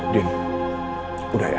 din udah ya